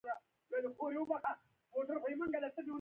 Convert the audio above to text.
د بښنې غوښتنه د زړه تسکین دی.